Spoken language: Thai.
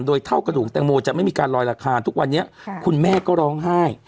โดยเท่ากระดูกแตงโมจะไม่มีการลอยราคาทุกวันนี้คุณแม่ก็ร้องไห้